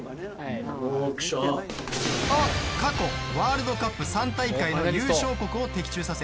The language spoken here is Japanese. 過去、ワールドカップ３大会の優勝国を的中させ